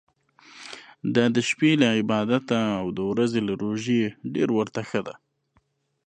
دا د شپې له عبادته او د ورځي له روژې ډېر ورته ښه ده.